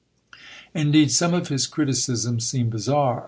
Indeed, some of his criticisms seem bizarre.